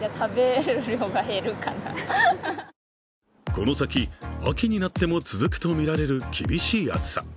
この先、秋になっても続くとみられる厳しい暑さ。